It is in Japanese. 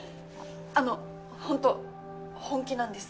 あのホント本気なんです。